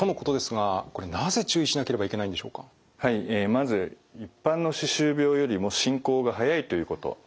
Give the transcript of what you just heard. まず一般の歯周病よりも進行が早いということ